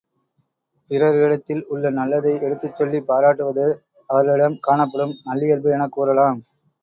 பிறரிடத்தில் உள்ள நல்லதை எடுத்துச் சொல்லிப் பாராட்டுவது அவர்களிடம் காணப்படும் நல்லியல்பு எனக் கூறலாம்.